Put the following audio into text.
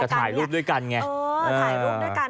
แต่ถ่ายรูปด้วยกันไงถ่ายรูปด้วยกัน